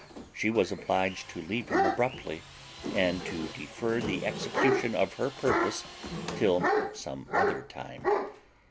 She was obliged to leave him abruptly, and to defer the execution of her purpose till some other time.